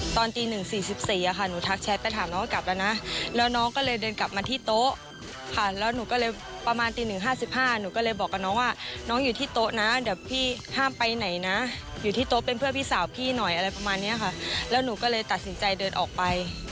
ตอนตี๑๔๔ค่ะหนูทักแชทไปถามน้องก็กลับแล้วนะแล้วน้องก็เลยเดินกลับมาที่โต๊ะค่ะแล้วหนูก็เลยประมาณตี๑๕๕หนูก็เลยบอกกับน้องว่าน้องอยู่ที่โต๊ะนะเดี๋ยวพี่ห้ามไปไหนนะอยู่ที่โต๊ะเป็นเพื่อนพี่สาวพี่หน่อยอะไรประมาณนี้ค่ะแล้วหนูก็เลยตัดสินใจเดินออกไป